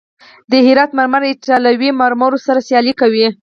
د هرات مرمر ایټالوي مرمرو سره سیالي کوي.